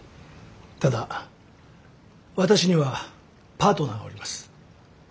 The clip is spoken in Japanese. ただ私にはパートナーがおります。